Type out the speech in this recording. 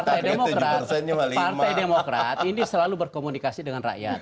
partai demokrat ini selalu berkomunikasi dengan rakyat